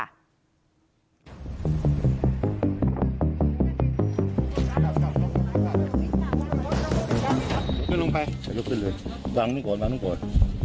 ลุงไปลองไปลุกขึ้นเลยวางทุกคนมานึงก่อน